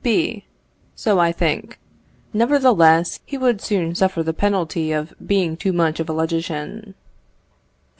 B. So I think. Nevertheless, he would soon suffer the penalty of being too much of a logician.